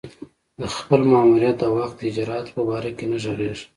د خپل ماموریت د وخت د اجرآتو په باره کې نه ږغېږم.